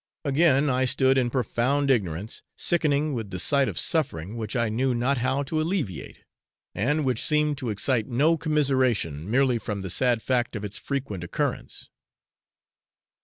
Again I stood in profound ignorance, sickening with the sight of suffering, which I knew not how to alleviate, and which seemed to excite no commiseration, merely from the sad fact of its frequent occurrence.